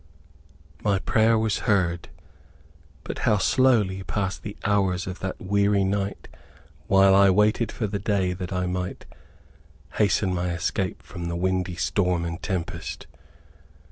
My prayer was heard; but how slowly passed the hours of that weary night while I waited for the day that I might "hasten my escape from the windy storm and tempest."